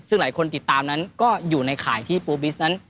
ซึ่งหลายคนติดตามนั้นก็อยู่ในข่ายที่ปูบิสนั้น